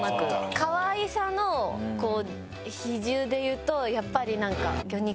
かわいさの比重でいうとやっぱり何か。